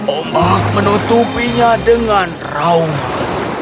omah menutupinya dengan rauman